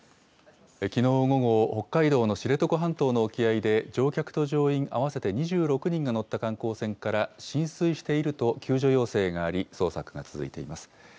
きのう午後、北海道の知床半島の沖合で乗客と乗員合わせて２６人が乗った観光船から、浸水していると救助要請があり、捜索が続いています。